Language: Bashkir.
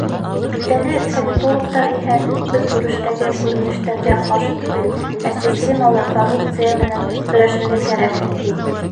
Билдәле политологтар иһә, көнкүрештәге күренештәргә ҡаршы түгел, ә системалы коррупция менән көрәшергә кәрәк, ти.